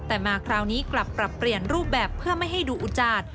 แต่มาคราวนี้กลับปรับเปลี่ยนรูปแบบเพื่อไม่ให้ดูอุจาด